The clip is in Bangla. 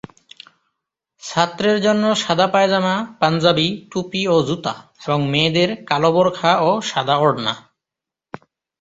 ছাত্রের জন্য সাদা পায়জামা, পাঞ্জাবি, টুপি ও জুতা এবং মেয়েদের কালো বোরখা ও সাদা ওড়না।